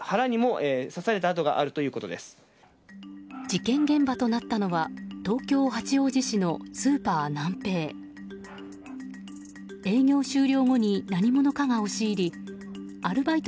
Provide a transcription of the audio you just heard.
事件現場となったのは東京・八王子市のスーパーナンペイ。